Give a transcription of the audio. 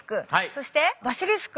そしてバシリスク